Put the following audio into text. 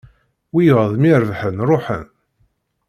Wiyaḍ mi rebḥen ruḥen